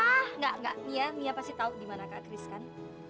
enggak enggak mia pasti tahu di mana kak kris kan